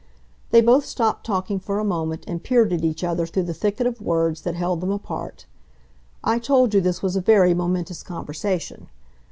They both stopped talking for a moment and peered at each other through the thicket of words that held them apart. I told you this was a very momentous conversation.